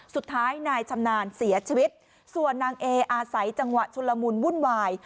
สุดท้ายนายชำนาญเสียชีวิตส่วนนางเออาศัยจังหวะชุลมุนวุ่นวาย